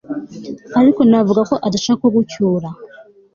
ariko navuga ko adashaka kugucyura